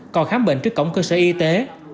còn khám bệnh trước cổng cơ sở y tế